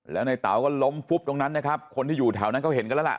แล้วในเต๋าก็ล้มฟุบตรงนั้นนะครับคนที่อยู่แถวนั้นเขาเห็นกันแล้วล่ะ